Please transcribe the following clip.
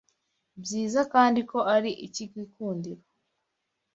byiza kandi ko ari icy’igikundiro